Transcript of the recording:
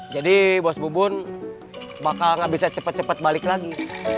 jadi bos bubun bakal gak bisa cepet cepet balik lagi